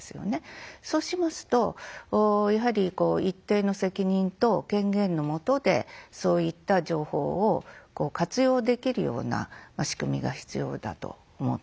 そうしますとやはり一定の責任と権限の下でそういった情報を活用できるような仕組みが必要だと思っています。